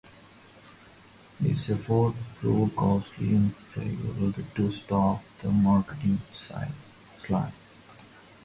His effort proved costly and failed to stop the market slide.